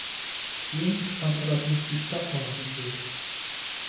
Dem stand allerdings die Stadtmauer im Weg.